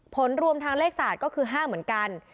ผลรวมทางเลขศาสตร์ก็คือ๕เหมือนกัน